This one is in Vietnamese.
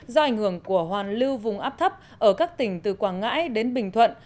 do ảnh hưởng của hoàn lưu vùng áp thấp ở các tỉnh từ quảng ngãi đến bình thuận